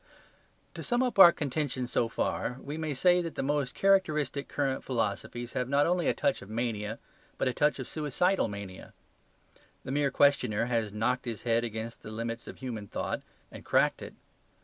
To sum up our contention so far, we may say that the most characteristic current philosophies have not only a touch of mania, but a touch of suicidal mania. The mere questioner has knocked his head against the limits of human thought; and cracked it.